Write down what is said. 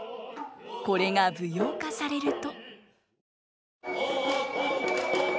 これが舞踊化されると。